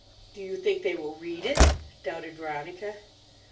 '" "Do you think they will read it?" doubted Veronica.